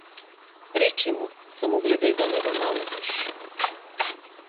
Речи му само гледај да не го налутиш.